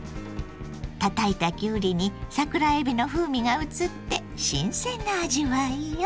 たたいたきゅうりに桜えびの風味がうつって新鮮な味わいよ。